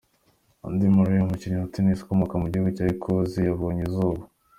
Andy Murray, umukinnyi wa Tennis ukomoka mu gihugu cya Ecosse yabonye iauba.